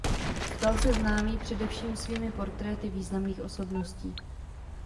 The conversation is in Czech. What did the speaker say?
Stal se známý především svými portréty významných osobností.